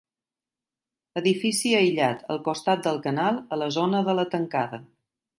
Edifici aïllat, al costat del canal a la zona de la Tancada.